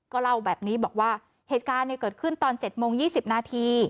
เล่าแบบนี้บอกว่าเหตุการณ์เกิดขึ้นตอน๗โมง๒๐นาที